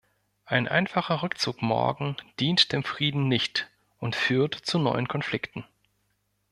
Ein einfacher Rückzug morgen dient dem Frieden nicht und führt zu neuen Konflikten.